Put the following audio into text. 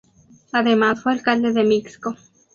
Además fue alcalde de Mixco.